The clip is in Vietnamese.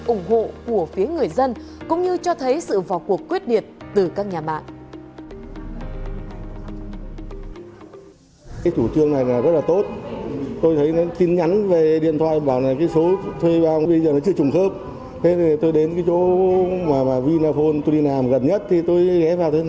ủng hộ của phía người dân cũng như cho thấy sự vào cuộc quyết liệt từ các nhà mạng